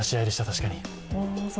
確かに。